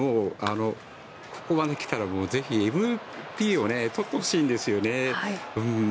ここまで来たらＭＶＰを取ってほしいんですよね。